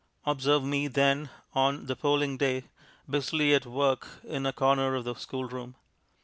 Observe me, then, on the polling day, busily at work in a corner of the schoolroom.